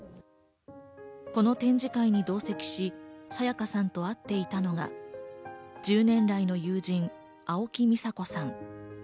この展示会に同席し、沙也加さんと会っていたのが１０年来の友人・青木美沙子さん。